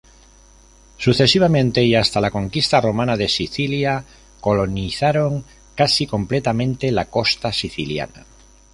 Sucesivamente, y hasta la conquista romana de Sicilia, colonizaron casi completamente la costa siciliana.